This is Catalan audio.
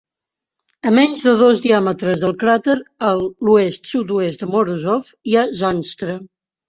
A menys de dos diàmetres del cràter a l'oest-sud-oest de Morozov, hi ha Zanstra.